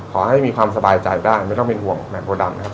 ขอให้มีความสบายใจได้ไม่ต้องเป็นห่วงแม่โพดำนะครับ